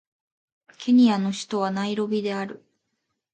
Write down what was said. ケニアの首都はナイロビである